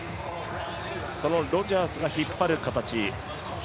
そのロジャースが引っ張る形。